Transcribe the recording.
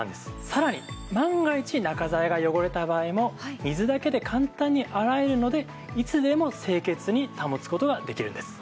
さらに万が一中材が汚れた場合も水だけで簡単に洗えるのでいつでも清潔に保つ事ができるんです。